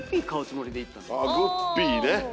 グッピーね。